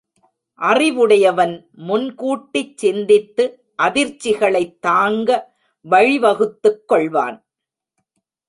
அறிவுடையவன் முன்கூட்டிச் சிந்தித்து அதிர்ச்சிகளைத் தாங்க வழிவகுத்துக் கொள்வான்.